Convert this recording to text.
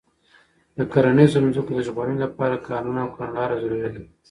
د کرنیزو ځمکو د ژغورنې لپاره قانون او کړنلاره ضروري ده.